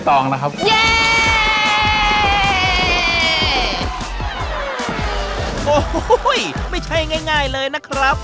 โอ้โหไม่ใช่ง่ายเลยนะครับ